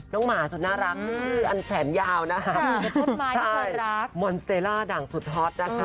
หมาสุดน่ารักอันแสนยาวนะคะมอนเซล่าดังสุดฮอตนะคะ